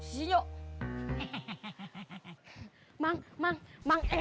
beda beda apaan ye